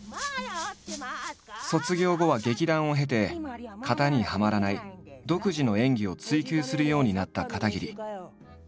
卒業後は劇団を経て型にはまらない独自の演技を追求するようになった片桐。